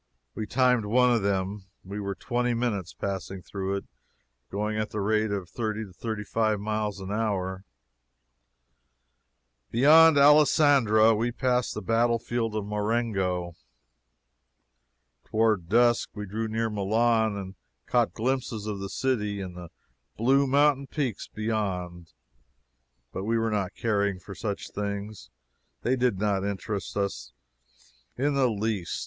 We timed one of them. We were twenty minutes passing through it, going at the rate of thirty to thirty five miles an hour. Beyond Alessandria we passed the battle field of Marengo. Toward dusk we drew near Milan and caught glimpses of the city and the blue mountain peaks beyond. But we were not caring for these things they did not interest us in the least.